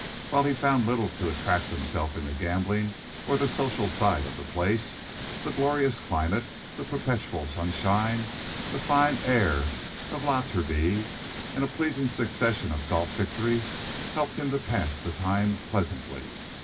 While he found little to attract him in the gambling or the social side of the place, the glorious climate, the perpetual sunshine, the fine air of La Turbie, and a pleasing succession of golf victories helped him to pass the time pleasantly.